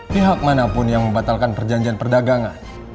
pihak manapun yang membatalkan perjanjian perdagangan